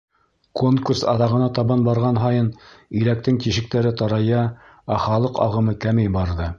Конкурс аҙағына табан барған һайын иләктең тишектәре тарая, ә халыҡ ағымы кәмей барҙы.